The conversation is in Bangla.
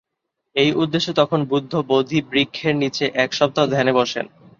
এই উদ্দেশে তখন বুদ্ধ বোধি বৃক্ষের নিচে এক সপ্তাহ ধ্যানে বসেন।